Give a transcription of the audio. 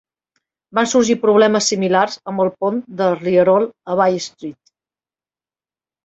Van sorgir problemes similars amb el pont del rierol a Bay Street.